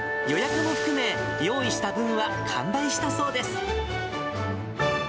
予約も含め、用意した分は完売したそうです。